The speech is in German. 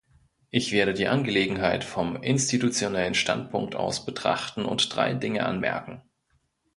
Ich werde die Angelegenheit vom institutionellen Standpunkt aus betrachten und drei Dinge anmerken.